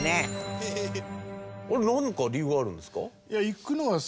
何か理由があるんですか？